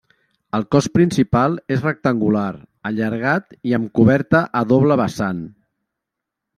El cos principal és rectangular, allargat i amb coberta a doble vessant.